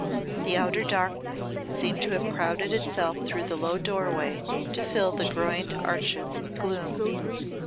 The outer darkness seemed to have crowded itself through the low doorway to fill the groined arches with gloom.